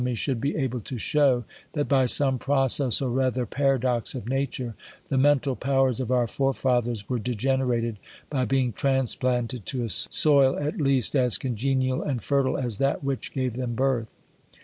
e should be ible to show, that, by some process, or rather paradox ji nature, the mental powers of our forefathers were legenerated by being transplanted to a soil, at least, as :ongenial and fertile, as that which gave them birth.